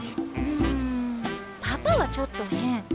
んパパはちょっと変。